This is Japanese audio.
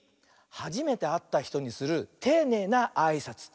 はじめてあったひとにするていねいなあいさつ。